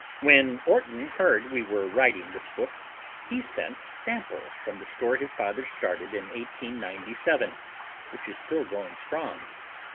When Orton heard we were writing this book, he sent samples from the store his father started in 1897 which is still going strong.